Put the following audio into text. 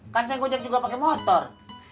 kan saya ngejek juga pake motor